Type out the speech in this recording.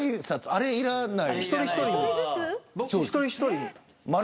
あれ、いらない。